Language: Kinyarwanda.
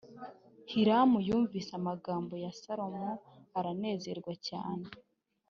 Hiramu yumvise amagambo ya Salomo aranezerwa cyane